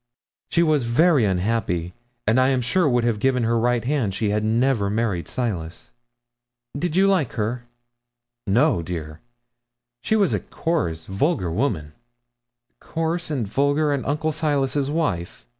She was very unhappy, and I am sure would have given her right hand she had never married Silas.' 'Did you like her?' 'No, dear; she was a coarse, vulgar woman.' 'Coarse and vulgar, and Uncle Silas's wife!'